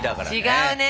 違うね。